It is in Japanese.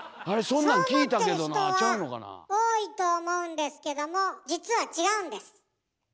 そう思ってる人は多いと思うんですけども実は違うんです。